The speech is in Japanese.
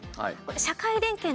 社会連携の略。